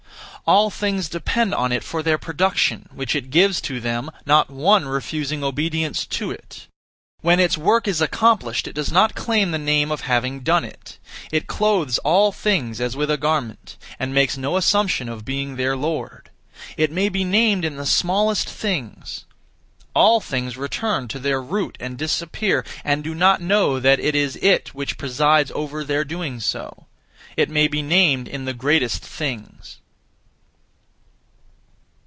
All things depend on it for their production, which it gives to them, not one refusing obedience to it. When its work is accomplished, it does not claim the name of having done it. It clothes all things as with a garment, and makes no assumption of being their lord; it may be named in the smallest things. All things return (to their root and disappear), and do not know that it is it which presides over their doing so; it may be named in the greatest things.